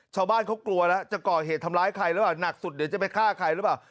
ชาวบ้านเขากลัวแล้วจะก่อเหตุทำร้ายใครหรือเปล่าหนักสุดเดี๋ยวจะไปฆ่าใครหรือเปล่า